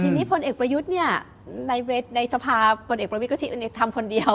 ทีนี้ผลเอกประยุทธ์ในสภาพผลเอกประวิทย์ก็ใช้อันเอกธรรมคนเดียว